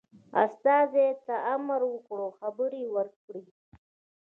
استازي ته امر وکړ خبر ورکړي.